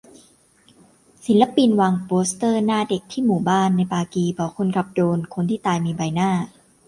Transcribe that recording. ศิลปินวางโปสเตอร์หน้าเด็กที่หมู่บ้านในปากีบอกคนขับโดรน : คนที่ตายมีใบหน้า